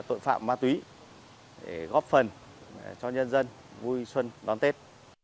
tội phạm ma túy góp phần cho nhân dân vui xuân đón tết